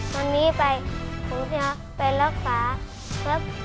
วันนี้ไปผมจะไปรักษาครับ